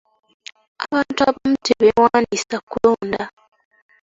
Abantu abamu tebeewandiisa kulonda.